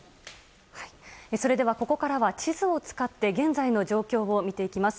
それでは、ここからは地図を使って現在の状況を見ていきます。